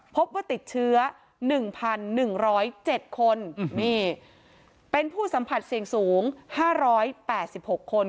พบว่าติดเชื้อ๑๑๐๗คนนี่เป็นผู้สัมผัสเสี่ยงสูง๕๘๖คน